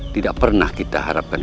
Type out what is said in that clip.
tidak pernah kita harapkan